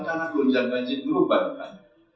karena goncang dan jingkupan kan